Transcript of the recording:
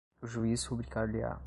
o juiz rubricar-lhe-á